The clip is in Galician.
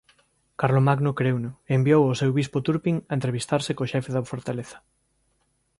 Carlomagno creuno e enviou ao seu bispo Turpin a entrevistarse co xefe da fortaleza.